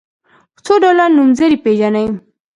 څو ډوله نومځري پيژنئ.